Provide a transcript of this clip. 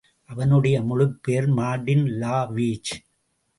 அவனுடைய முழுப்பெயர் Martin lavage.